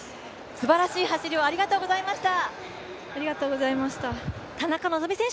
すばらしい走りをありがとうございました。